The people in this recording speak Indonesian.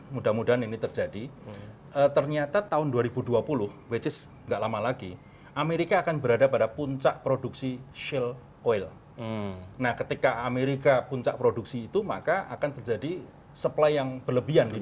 sampai titik kapan dia harus naik